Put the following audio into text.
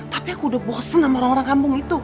tapi aku udah bosen sama orang orang kampung itu